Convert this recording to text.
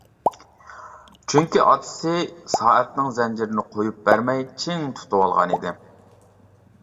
چۈنكى ئاتىسى سائەتنىڭ زەنجىرىنى قويۇپ بەرمەي چىڭ تۇتۇۋالغان ئىدى.